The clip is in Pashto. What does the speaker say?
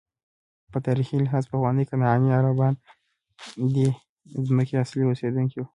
په تاریخي لحاظ پخواني کنعاني عربان ددې ځمکې اصلي اوسېدونکي وو.